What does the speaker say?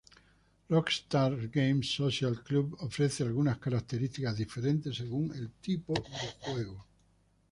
Rockstar Games Social Club ofrece algunas características diferentes según el tipo de juego.